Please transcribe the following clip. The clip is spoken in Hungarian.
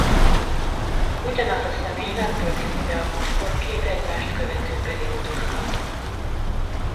Ugyanaz a személy nem töltheti be a posztot két egymást követő periódusban.